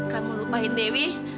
kamu lupain dewi